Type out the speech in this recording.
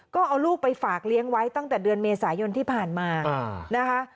ก็เอาลูกไปฝากเลี้ยงไว้ตั้งแต่เดือนเมษายนที่ผ่านมานะคะ